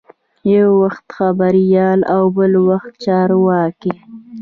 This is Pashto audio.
یو وخت خبریال او بل وخت چارواکی.